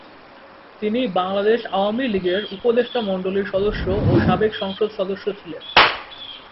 তিনি বাংলাদেশ আওয়ামী লীগের উপদেষ্টা মণ্ডলীর সদস্য ও সাবেক সংসদ সদস্য ছিলেন।